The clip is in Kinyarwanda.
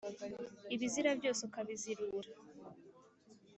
ibizira byose ukabizirura,